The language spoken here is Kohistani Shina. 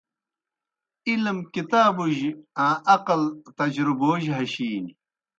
علم کتابُجیْ آں عقل تجربوجیْ ہشِینیْ